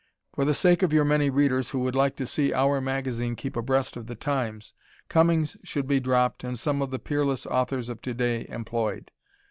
For the sake of your many readers who would like to see "our magazine" keep abreast of the times, Cummings should be dropped and some of the peerless authors of to day employed.